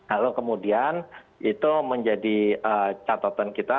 lalu kemudian itu menjadi catatan kita